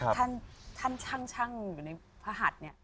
ท่านช่างอยู่ในพระหัสเนี่ย